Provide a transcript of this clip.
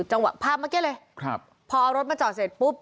จังหวะภาพเมื่อกี้เลยครับพอเอารถมาจอดเสร็จปุ๊บ